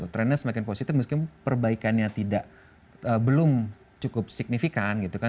trendnya semakin positif meskipun perbaikannya belum cukup signifikan gitu kan